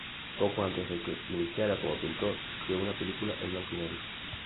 Poco antes de que iniciara como pintor, creó una película en blanco y negro.